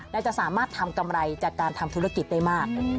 และจะสามารถทำกำไรจากการทำธุรกิจได้มาก